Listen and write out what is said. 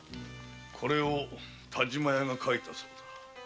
田島屋が書いたそうだ。